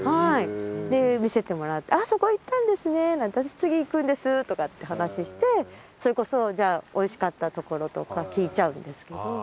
で見せてもらってそこ行ったんですねなんて私次行くんですとかって話してそれこそじゃあ美味しかったところとか聞いちゃうんですけど。